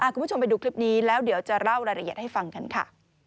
คุณผู้ชมไปดูคลิปนี้แล้วเดี๋ยวจะเล่ารายละเอียดให้ฟังกันค่ะ